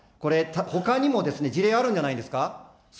ほかにもですね、事例があるんじゃないですか。